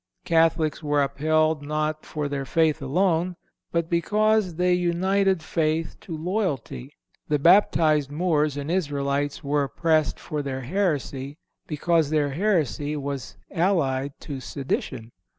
Catholics were upheld not for their faith alone, but because they united faith to loyalty. The baptized Moors and Israelites were oppressed for their heresy because their heresy was allied to sedition.